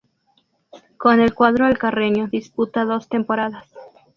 Con el cuadro alcarreño disputa dos temporadas.